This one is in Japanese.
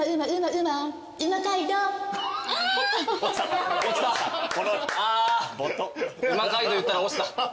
うま街道言ったら落ちた。